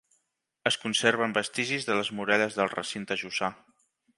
Es conserven vestigis de les muralles del recinte jussà.